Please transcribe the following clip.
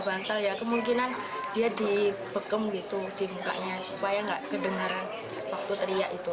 bantal ya kemungkinan dia dipekem gitu cipta nya supaya enggak kedengaran waktu teriak itu